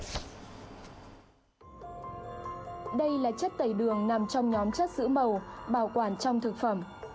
đây là chất tẩy đường nằm trong nhóm chất giữ màu bảo quản trong thực phẩm